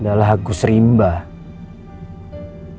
adalah agus rimba dan anak buahnya sinta